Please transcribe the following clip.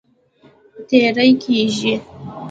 تېری کیږي.